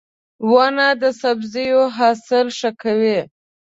• ونه د سبزیو حاصل ښه کوي.